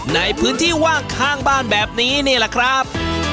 ในพื้นที่ว่างข้างบ้านแบบนี้นี่แหละครับ